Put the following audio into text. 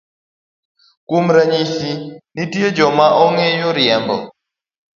Kuom ranyisi, nitie joma ong'eyo riembo